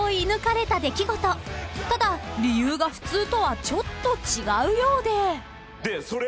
［ただ理由が普通とはちょっと違うようで］